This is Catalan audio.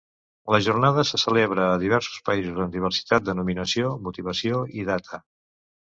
La jornada se celebra a diversos països amb diversitat de denominació, motivació i data.